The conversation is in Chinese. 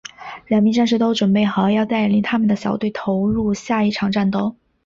两名战士都准备好要带领他们的小队投入下一场战斗。